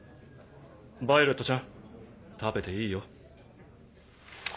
ヴァイオレットちゃん食べていいよ。